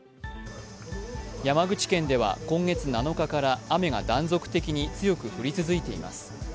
山口県では今月７日から雨が断続的に強く降り続いています。